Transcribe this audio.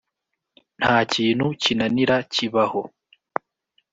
nta kintu kinanira kibaho."